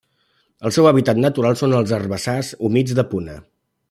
El seu hàbitat natural són els herbassars humits de Puna.